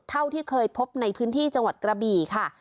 เท่าที่เคยพบในพื้นที่จังหวัดกระบี่ค่ะ